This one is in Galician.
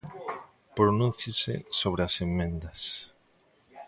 Pronúnciese sobre as emendas.